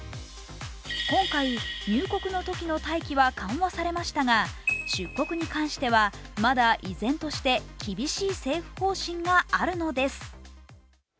今回、入国のときの待機は緩和されましたが、出国に関してはまだ依然として厳しい政府方針があるのです。